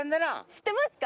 知ってますか？